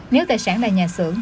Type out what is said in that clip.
nếu tài sản là nhà xưởng